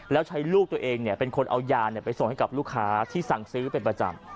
แล้วใช้ลูกตัวเองเป็นคนเอายาไปส่งให้กับลูกค้าที่สั่งซื้อเป็นประจำ